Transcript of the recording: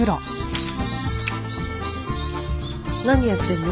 何やってんの？